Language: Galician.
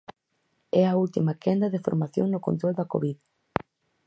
É a última quenda de formación no control da Covid.